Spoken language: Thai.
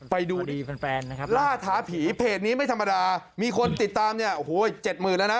ไปดูล่าท้าผีเพจนี้ไม่ธรรมดามีคนติดตามเนี่ยโอ้โหเจ็ดหมื่นแล้วนะ